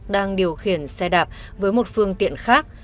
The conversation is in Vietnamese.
đang điều khiển xe đạp với một phương tiện khác